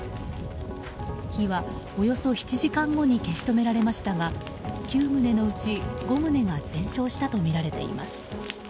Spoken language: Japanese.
火は、およそ７時間後に消し止められましたが９棟のうち５棟が全焼したとみられています。